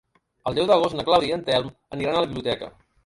El deu d'agost na Clàudia i en Telm aniran a la biblioteca.